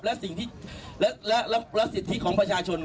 และสิทธิของประชาชน